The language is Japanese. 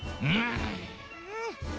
うん！